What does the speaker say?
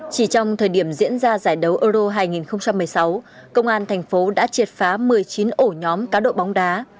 chỉ trong thời điểm diễn ra giải đấu euro hai nghìn một mươi sáu công an thành phố đã triệt phá một mươi chín ổ nhóm cá độ bóng đá